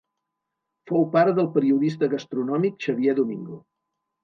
Fou pare del periodista gastronòmic Xavier Domingo.